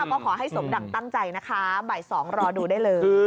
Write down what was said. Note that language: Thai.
ก็ขอให้สมดังตั้งใจนะคะบ่าย๒รอดูได้เลย